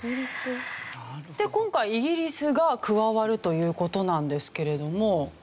で今回イギリスが加わるという事なんですけれども。